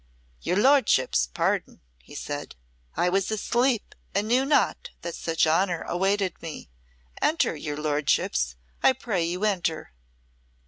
"Your lordships' pardon," he said. "I was asleep and knew not that such honour awaited me. Enter, your lordships; I pray you enter."